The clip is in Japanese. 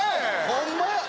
ホンマや！